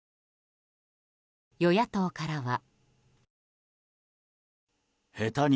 与野党からは。